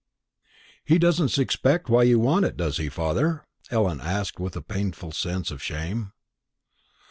'" "He doesn't suspect why you want it, does he, father?" Ellen asked with a painful sense of shame.